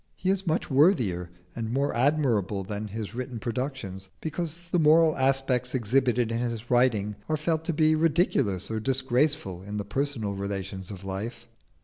He is much worthier and more admirable than his written productions, because the moral aspects exhibited in his writing are felt to be ridiculous or disgraceful in the personal relations of life.